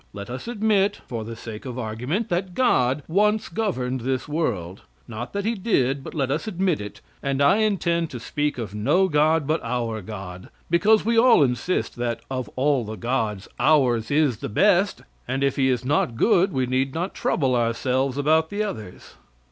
Let us admit, for the sake of argument, that God once governed this world not that He did, but let us admit it, and I intend to speak of no god but our God, because we all insist that of all the gods ours is the best, and if He is not good we need not trouble ourselves about the others.